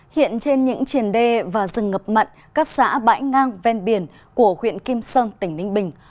hiện trên những triển đê và rừng ngập mặn các xã bãi ngang ven biển của huyện kim sơn tỉnh ninh bình